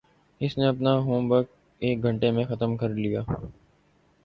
اس نے اپنا homework ایک گھنٹے میں ختم کر لیا